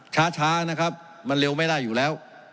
ช้านะครับมันเร็วไม่ได้อยู่แล้ว